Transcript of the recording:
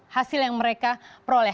hasil yang mereka peroleh